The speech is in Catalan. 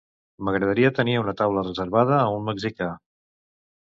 M'agradaria tenir una taula reservada a un mexicà.